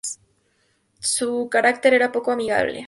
Su carácter era poco amigable.